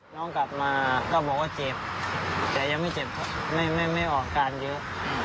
น้องกลับมาก็บอกว่าเจ็บแต่ยังไม่เจ็บไม่ออกการเยอะ